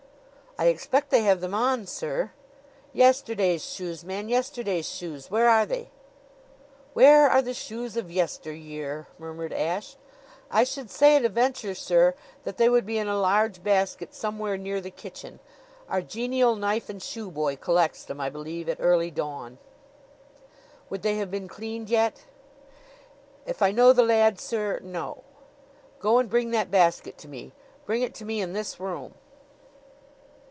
"I expect they have them on, sir." "Yesterday's shoes, man yesterday's shoes. Where are they?" "Where are the shoes of yesteryear?" murmured Ashe. "I should say at a venture, sir, that they would be in a large basket somewhere near the kitchen. Our genial knife and shoe boy collects them, I believe, at early dawn." "Would they have been cleaned yet?" "If I know the lad, sir no." "Go and bring that basket to me. Bring it to me in this room."